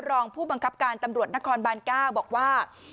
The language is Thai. รองผู้บังคับการตำรวจนครบาน๙บอกว่า